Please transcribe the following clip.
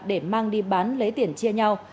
để mang đi bán lấy tiền chia nhau